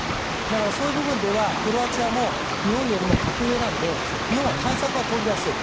そういう部分ではクロアチアも日本よりも格上なので日本は対策は取りやすい。